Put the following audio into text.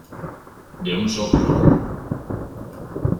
de un soplo.